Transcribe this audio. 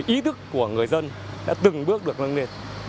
ý thức của người dân đã từng bước được nâng lên